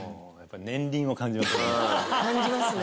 年輪を感じますね。